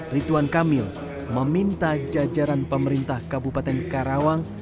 rituan kamil meminta jajaran pemerintah kabupaten karawang